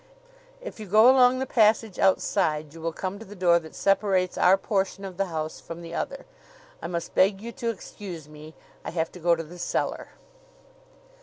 If you go along the passage outside you will come to the door that separates our portion of the house from the other. I must beg you to excuse me. I have to go to the cellar."